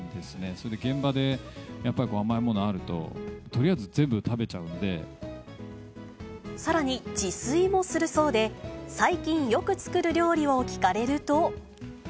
それで現場でやっぱり甘いものあると、とりあえず全部食べちゃうさらに、自炊もするそうで、最近よく作る料理を聞かれると。